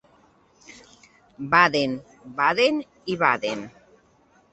Baden, baden i baden.